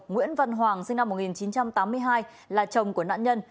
nguyễn văn hoàng sinh năm một nghìn chín trăm tám mươi hai là chồng của nạn nhân